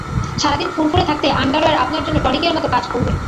সারা দিন ফুরফুরে থাকতে আন্ডারওয়্যার আপনার জন্য টনিকের মতো কাজ করবে।